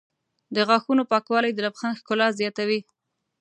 د غاښونو پاکوالی د لبخند ښکلا زیاتوي.